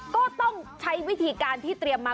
ก็ต้องใช้วิธีการที่เตรียมมา